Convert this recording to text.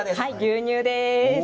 牛乳です。